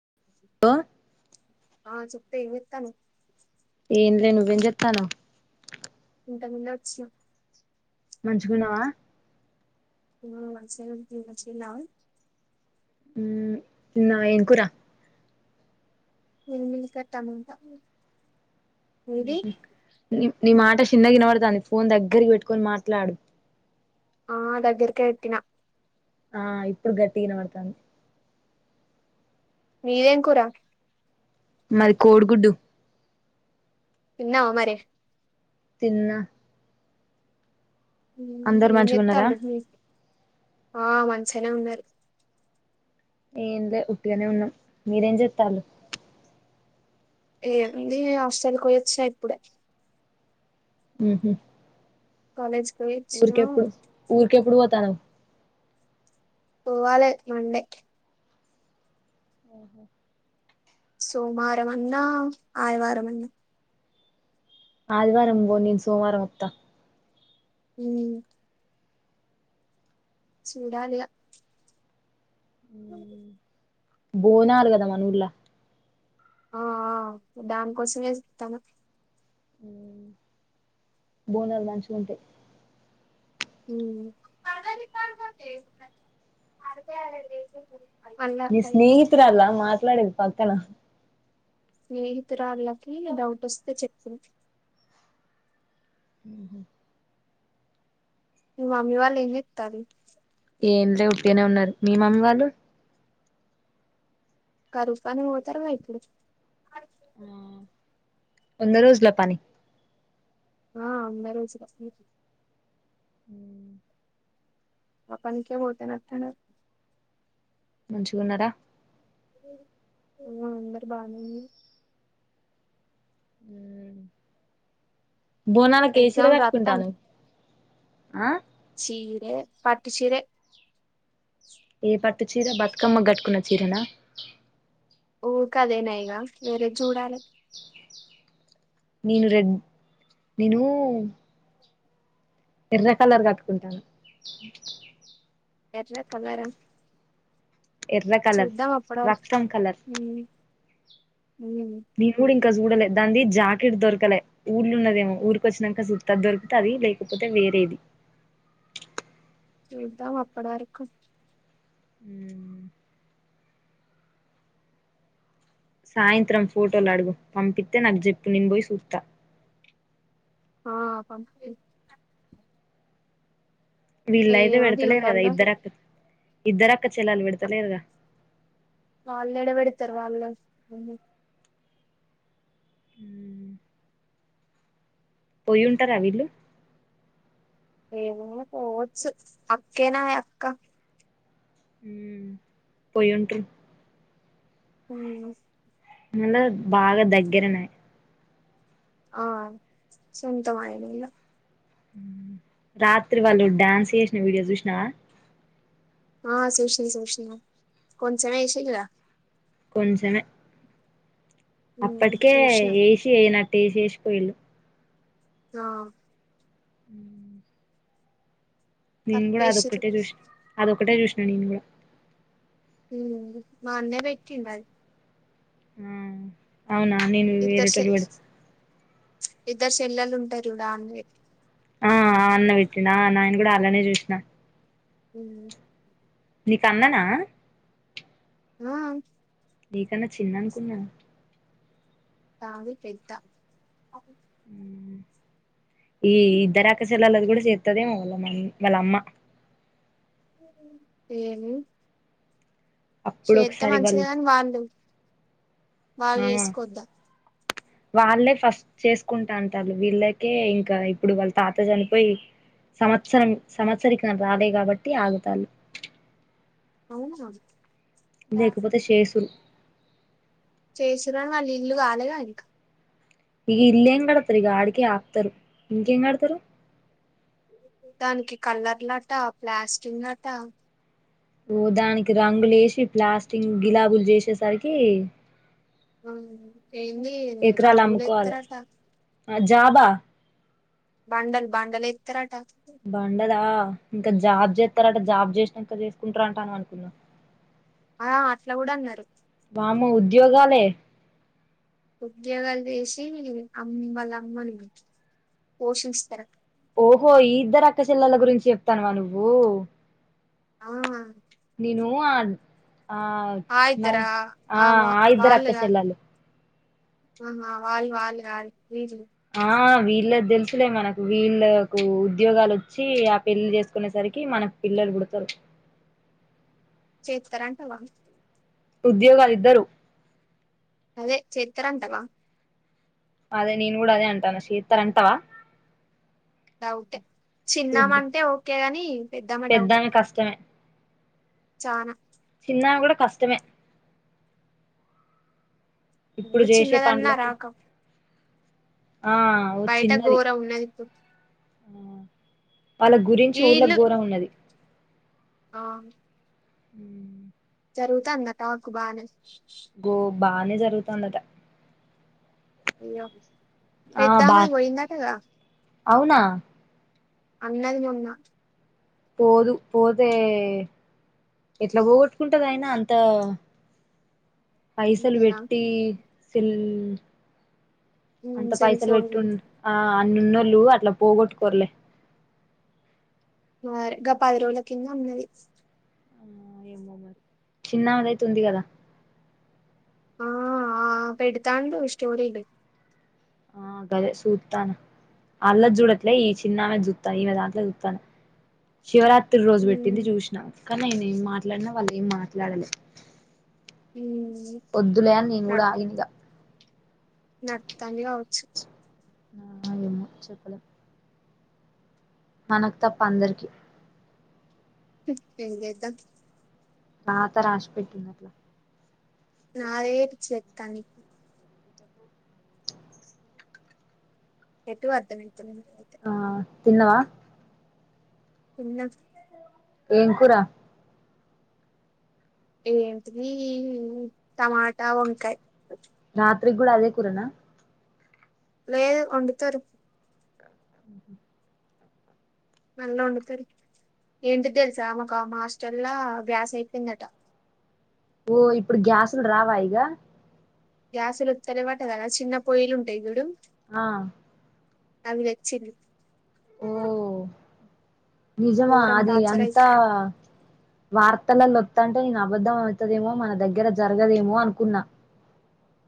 [unintelligible] ఆ చెప్పు ఏం చెత్తన్నావ్ ఏం లే నువ్వేం జెత్తన్నావు ఇంతకు ముందే వచ్చిన మంచిగున్నావా అ మంచిగానే [unintelligible] ఉ తిన్నావా ఏం కూర మిల్మిక్కర్ టమాటా ఊహూ నీ నీ మాట చిన్నగా వినబడుతాంది ఫోన్ దగ్గరికి పెట్టుకొని మాట్లాడు ఆ దగ్గరకే ఎట్టినా ఆ ఇప్పుడు గట్టిగినపడుతాంది మీదేం కూర మది కోడిగుడ్డు తిన్నావా మరి తిన్నా ఉమ్, అందరూ ఏం మంచిగున్నారా చెత్తాళ్ళు మీ ఆ మంచినే ఉన్నారు ఏం లే ఉట్టిగనే ఉన్నాం మీరేం చెత్తాల్లు ఏంది హాస్టల్కి పోయొచ్చినా ఇప్పుడే ఉ కాలజ్ కచ్చ అ ఎప్పుడుూ పోతాను పోవాలి మండే ఆ హూ సోమవారం అన్నా ఆదివారం అన్నా ఆదివారం పో నేను సోమవారం వత్తా ఊ చూడాలి అ బోనాారు కదా మానూర్లా ఆ దాన్ కోసంస్త తను బోనాలు మంచి ఉంటాయి ఉమ్ మళ్ళా ని స్నేహిరల్ మాత్ర పట్లాడది పాకనా స్నేహితురాళ్ళకి డౌట్ వస్తే చెప్పు హహ ఇ మమ్మీ వాళ్ళంగ్ ఇక్తార ఏంటే ఉట్టేనే ఉన్నారు మీ మమ్మీ వాళ్ళు క రూపానే వతారు మా ఇప్పుడు ఆ వంద రోజుల పని ఆ అంద రోజు హ ఆ పనికే పోతున్నటున్నారు మంచిగ్ ఉన్నారా హ్మ్ అందరు బానే ఉన్నారు హ్మ్ బోనాలకేసీరా ఎగ్జామ్ రాత్తాను కట్టుకుంటానావ్ ఆ చీరే పట్టు చీరె ఏ పట్టు చీర బతుకమ్మ కట్టుకున్న చీరనా ఊ కదేనై వేర చూడాలే నేను రెడ్ నేను ఎర్ర కలర్ కట్టుకుంటాను ఎర్ర కలరా ఎర్ర కలర్ రక్తం కలర్ ఉ ఇం చూడలే దాది జాకెట్ దొరకలే ఊర్ళలు ఉన్నదేమో ఊరిక వచ్చినాక చు దొరికుత అది లేకపోతే వేరేది చూద్దాం అప్పుడు వరకు అ సాయంత్రం ఫోటోలు అడుగు పంపిస్తతే నాకు జప్పు నిను పోయి చూస్తా ఆ ప వీళ్ళయితే పెడతలేరు కదా దిగుతారులే ఇద్దరు అక్క ఇద్దర అక్క చెల్లాల విడతలేరుగా ఇ తర్ వాళ్ళు హ పోయి ఉంటారా వీళ్ళు ఏమో పోవచ్చ అక్కేనా అక్క పోయిం ట్ర అ నిన్న ద్ బాగా దగ్గరనేయి ఆ సొంతమనలో రాత్రి వాళ్ళు డ్యాన్స్ చేసిన వీడియో చూసినావా ఆ సుష్ని సూష్ణ కొంచమ్ ఎసింద కొంచమే ఉమ్ అప్పటికే చూసిన వేసి వయనట్టటు వేసి వేసిపోయిళు ఆ ఉ నిం కూడా అద తక్కువేసిర్రు పెట్టేష్ట అద ఒక్కటే చూషిన నేను కూడా మా అన్నే పెట్టిండ్ అది ఆ అవునా నేను ఇద్దరు చె వేరేటోలు పడ్ ఇద్దరు చెల్లలు ఉంటారు దాన్ వే ఆ అన్న పెట్టింద నాయన కూడా అలానే చూసిన హ నీ క్ అన్ననా ఆ నీకన్నా చిన్న అనుకున్నాను కాే పెద్ద ఈ ఇద్దర అకచలాలది కూడా సర్తదేమో వాళ్ళ మ వాళ్ళ అమ్మ ఏను అప్పుడు చేత్త ఒకసారి మంచిది వాళ్ళు కాని వాళ్ళు వాళ్ళు ఆ చేసుకద్దా వాళ్ళే ఫస్ట్ చేసుకుంటా అంటారు వీళ్ళకే ఇంకా ఇప్పుడు వాళ్ళ తాత చనిపోయి సంవత్సరం సంవత్సరకి న రాలే కాబట్టి ఆగుతాారు ఉవు లేకపోతే చేేసురు చేసన్నాని వాళ్ళీ ఇల్లు కాలేగా అనక ఇగ ఇల్ ఎంగ్ ఆడతారు ఇగ అడిక ఆప్తారు ఇంకెంగా ఆడతారు దానికి కలర్ లాట ప్లాస్టిక్ లట ఓదానికినికి అంగులేష్ ప్లాస్టింగ్ గిలాబులు చేసి వచ్చేసరికి ఏంది రాంగులు అమ్ముకోవాలె ఇస్తారట ఆ జాబా బాండల్ బాండల ఇతట బండదా ఇంకా జాబ్ చేస్తారట జాబ్ చేసినాక చేసుకుంటార అంటా అ అనుకున్నాాం ఆ అట్లా కూడా అన్నారు జోగాాల ఉద్యోగాలు చేసి అమ్మల అమ్మని పోషిస్తారు అ ఓహో ఈ ఇద్దరు అక్కచల్లల గురించి చెప్తానువా నువ్వు ఆ నేను ను ఆ ఆ న ఇద్దరా ఆ వా ఆ ఇద్దరు అక్క వాళ్ళు కాదు చెెల్లు ఆహా వాల్ వాాల ఆాల రజ ఆ వీళ్ళ తెలుసులే మనకు వీళ్ళలకు ఉద్యోగాలు వచ్చి ఆ పెళ్ళిి చేసుకునే సరికి మనకు పిల్లలు పుడతారు చేస్తారా అంటావా ఉద్యోగాలు ఇద్దరు అదే చేేతర అంటవా అదే నేను కూడా అదే అంటాను శీతర్ అంటావా డౌటే చిన్నామ అంటే ఓకే ని పెద్దామా డౌటే పెద్దామె కష్టమే చనా చిన్నామె కూడా కష్టమే ఇప్పుడు నువ్వు చేసే చిన్నదన్నా పండ్లకి రాక బయట ఘోర ఉన్నదిప్పు వాళ్ళ గురించి ఊళ్ళ ఘోరం ఉన్నది ఆ ఉ జరుగుతాంద టాకు బాగానే బ బానే జరుగుతుందట అయ్యో ఆ బా పెద్దామని పోయిందటగా అవునా అన్నదిని ఉన్నా పోదు పోతే ఎట్లా పోగొట్టుకుంటది అయినా అంత పైసలు అంతేనా పెట్టి సిల్ అంత సెల్ పైసలు ఫోన్లు పెట్టుం ఆ నున్నళ్లుు అట్లా పోగొట్టుకోరలే మరి గ పది రోజుల కింద ఉన్నది చిన్నదైతుంది కదా ఆ అ పెడుతాండ స్టోరీలు ఆ గదే సూతాను అల్ల చూడట్లే ఈ చిన్నమె చూతాను ఈ విధ అట్లో చూతాను శివరాత్రి త రోజు ఉమ్ పెట్టింది చూసినా కా నేన ఏం మాట్లాడినా వాళ్ళు ఏం మాట్లాడలేి ఉమ్ వద్దులే అని నేను కూడా ఆగినగా నర్తని కావచ్చు ఏమో చెప్పలేమ్ మనకు తప్ప అందరికి హ అదా నాత రా ఆసి పెట్టిన్నట్లా నాదేంటి స తనికు ఎట్టు అర్థమై డెలివరీ అయితే ఆ తిన్నవా తిన్న ఏం కూరా ఏంటిది టమాటా వంకాయ రాత్రికి కూడా అదే కురనా లేధు వండుతారు అహ మళ్ళా వండుతారు ఏంటి తెలుసా మా హాస్టల్ గ్యాస్ అయిపోయిందట ఓ ఇప్పుడు గ్యాసులు రావా ఇగ గ్యాస్లుతలే వాట క చిన్న పొయిలు ఉంటాయి చూడు ఆ అవి తేచ్చింది ఓ నిజమా ఘోరం అది టార్చర్ అయి అంతా వార్తలలో అత్తంటే ఇగ అబద్ధం అడతదేమో మన దగ్గర జరగదేమో అనుకున్నా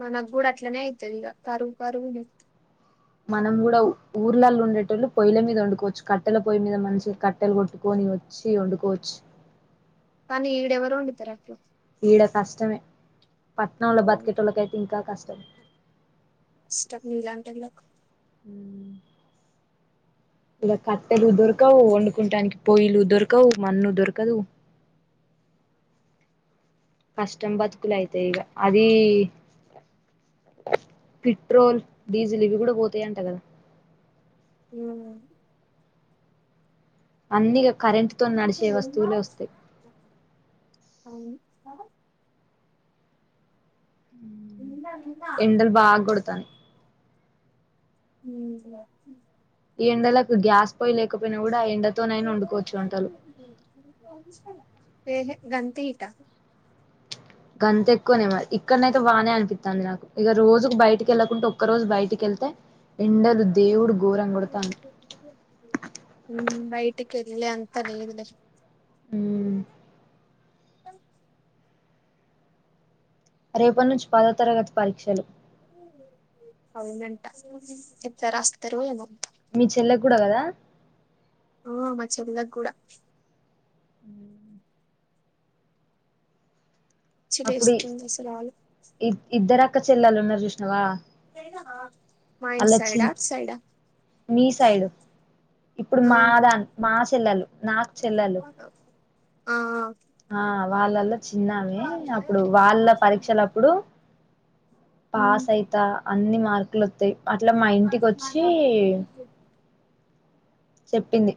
మనకు గుడ అట్లనే అయితది ఇగ కారువు కారువు నిత్ మనం కూడా ఊర్లల్లో ఉండేటోళ్ళు పొయ్యల మీద వండుకోవచ్చు కట్టెల పొయ్యి మీద మంచిగా కట్టెలు కొట్టుకొని వచ్చి వండుకోవచ్చు. కానీ ఈడే ఎవరు వండుతారు. అట్లో ఈడ కష్టమే పట్నంలో బతికే టోళ్లకు అయితే ఇంకా కష్టం కష్టం నీలాంటది [unintelligible] ఇగా కట్టెలు దొరకవు వండుకుంటానికి పొయిలు దొరకవు మన్ను దొరకదు కష్టం బతుకులు అయితాయి. ఇక అది పెట్రోల్ డీజిల్ ఇవి కూడా పోతాయి అంట కదా హ్ అన్నిగా కరెంట్ తో నడిచే వస్తువులే వోస్తాయి ఎండలు బాగా కొడతానయి ఉ ఈ ఎండలకు గ్యాస్ పోయి లేకపోయినా కూడా ఆ ఎండతోనైనా వండుకోవచ్చు వంటలు ఏహే గంత ఇట గంత ఎక్కువనే మరి ఇక్కనైతే బానే అనిపిత్తంది. నాకు ఇగా రోజుకు బయటికి ఏళ్ళకుండా ఒక్క రోజు బయటికి వెళ్తే ఎండలు దేవుడు ఘోరంగా కొడతండు కెల్లె అంత లేదులే హ్ రేపటి నుంచి పాదో తరగతి పరీక్షలు అవునంట ఎట్ల రాస్తారో ఏమో మీ చెల్లెకు కూడా కదా ఆ మ చెల్ల కు కూడా పిచ్చి అప్పుడు ఇ లేస్తుంది అసలు ఆలో ఇ ఇద్దర్ క్క చెల్లళ్ళు ఉన్నారు. చూసినవ మా ఇంటి అలా చి సైడా అటు సైడా మీ సైడ్ ఇప్పుడు మా దాన్ మా చెల్లళ్ళు నా చెల్లళ్ళు ఆ ఆ ఆ వాళ్ళలో చిన్నామే అప్పుడు వాళ్ళ పరీక్షలప్పుడు పాస్ ఉమ్ అయితా అన్ని మార్కు మల్లోత్తై అట్లా మా ఇంటికి వోచ్చి చెప్పింది.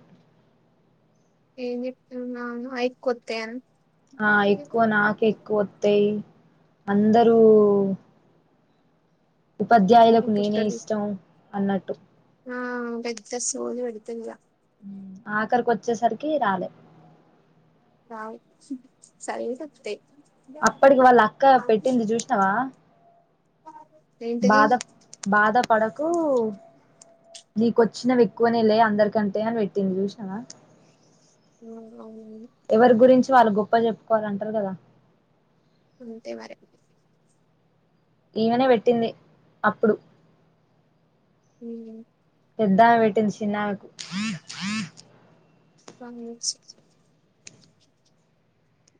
ఏం చెప్పుతున్నాను అయి కొత్తాయి ఆ ఎక్కువ నాకు ఎక్కువ వత్తాయి అందరూ ఉపాధ్యాయులకు నేనే పుట్టలి ఇష్టం అన్నట్టు ఆ పెద్ద సోది పెడతదిగ ఆఖరికి వచ్చేసరికి రాలే రాదు సరి సస్తతే అప్పటికి వాళ్ళ అక్క పెట్టింది చూసినావా ఏంటిది బాద బాద పడకు నీకొచ్చినవి ఎక్కువనే లే అందరికంటే అని పెట్టింది చూసినావా ఉ అవు ఎవరి గురించి వాళ్ళు గొప్ప చెప్పుకోవాలంటరు కదా తె మరి ఈమెనే పెట్టింది అప్పుడు ఉ పెద్దామె పెట్టింది చిన్నామెకు పంగచ్చ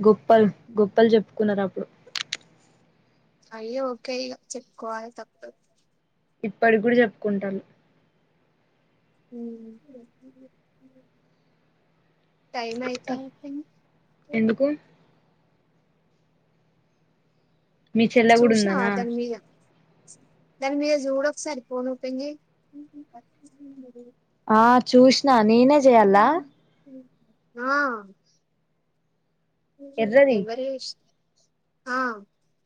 గొప్పలు గొప్పలు జెప్పుకున్నారు అప్పుడు అయ్యో ఓకే ఇగ చెప్పుకోవాలి తప్పుడు ఇప్పటికూడా చెప్పుకుంటారు ఉ టైమ్ అయితాన్ ఎందుకు మీ చెల్ల గూడ చూసినావా ఉందానా దాని మీద దాని మీరు చూడ ఒకసారి పోన్పోయింది ఆ చూస్త నా నేనే జేయల్లా ఆ ఎర్రది ఎవరే ఇష్టం ఆ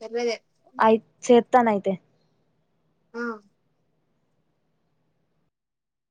ఎర్ర అయి చె తాన అయితే ఆ